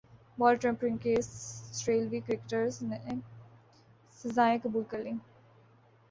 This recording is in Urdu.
بال ٹمپرنگ کیس سٹریلوی کرکٹرز نے سزائیں قبول کر لیں